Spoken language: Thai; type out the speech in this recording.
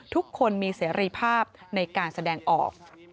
ทุกคนมีเสรีภาพในการแสดงออก